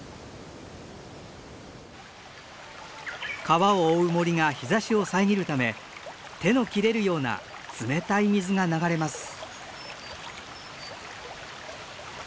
川を覆う森が日ざしを遮るため手の切れるような冷たい水が流れます。